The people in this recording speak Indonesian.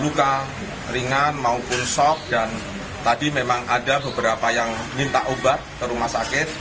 luka ringan maupun shock dan tadi memang ada beberapa yang minta obat ke rumah sakit